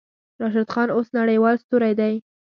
راشد خان اوس نړۍوال ستوری دی.